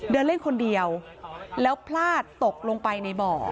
เดินเล่นคนเดียวแล้วพลาดตกลงไปในบ่อ